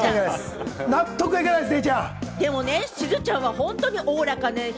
納得いかないです！